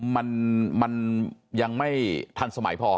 มันยังไม่ทันสมัยพอ